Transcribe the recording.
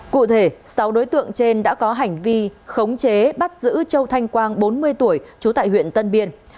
cụ thể sáu đối tượng trên đã có hành vi khống chế bắt giữ châu thanh quang bốn mươi tuổi trú tại huyện tân biên